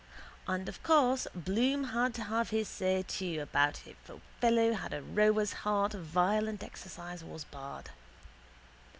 And of course Bloom had to have his say too about if a fellow had a rower's heart violent exercise was bad.